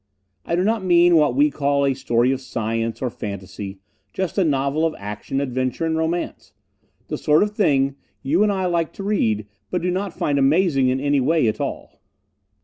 I do not mean what we call a story of science, or fantasy just a novel of action, adventure and romance. The sort of thing you and I like to read, but do not find amazing in any way at all.